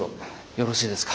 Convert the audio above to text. よろしいですか？